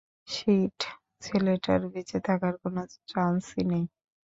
Sheet, ছেলেটার বেঁচে থাকার কোনো চান্সই নেই।